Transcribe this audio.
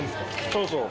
そうそう。